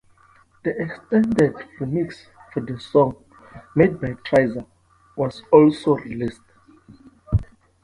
The extended remix for the song, made by Trayze, was also released.